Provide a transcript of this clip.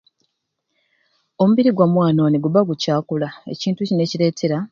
Omubiri gwa mwana oni gubba gukyakula ekintu kini ekireetera.